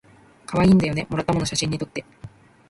かわいいんだよねもらったもの写真にとって